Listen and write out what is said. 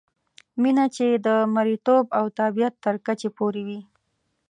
مینه چې د مریتوب او تابعیت تر کچې پورې وي.